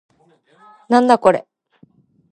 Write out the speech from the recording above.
なんだこれ